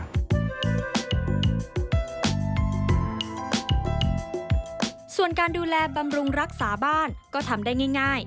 ส่วนการดูแลบำรุงรักษาบ้านก็ทำได้ง่าย